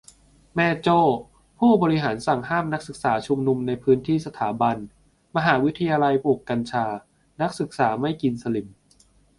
- แม่โจ้ ผู้บริหารสั่งห้ามนักศึกษาชุมนุมในพื้นที่สถาบัน มหาวิทยาลัยปลูกกัญชานักศึกษาไม่กินสลิ่ม